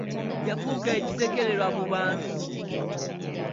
Yafuuka ekisekererwa mu bantu.